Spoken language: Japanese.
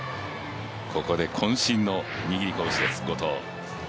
ここでこん身の握りこぶしです、後藤。